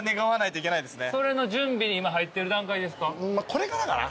これからかな。